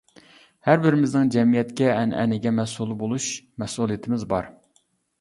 ھەربىرىمىزنىڭ جەمئىيەتكە، ئەنئەنىگە مەسئۇل بولۇش مەسئۇلىيىتىمىز بار.